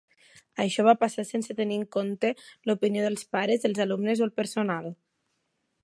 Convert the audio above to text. Això va passar sense tenir en compte l'opinió dels pares, els alumnes o el personal.